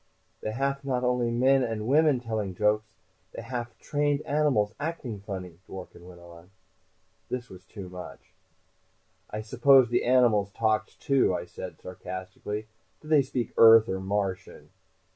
"They haf not only men and women telling jokes. They haf trained animals acting funny!" Dworken went on. This was too much. "I suppose the animals talked, too?" I said sarcastically. "Do they speak Earth or Martian?"